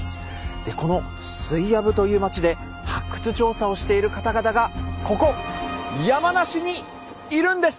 でこのスイヤブという町で発掘調査をしている方々がここ山梨にいるんです！